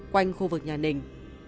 quanh khu vực nhà nình